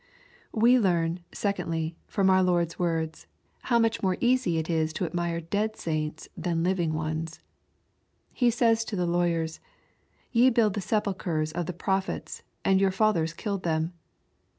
We learn, secondly, from our Lord's words, how much more easy it is to admire dead saints than living ones. He says to the lawyers, " Ye build the sepulchres of the prophets, and your fathers killed them."